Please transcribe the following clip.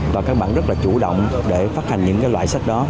và các bạn rất là chủ động để phát hành những loại sách đó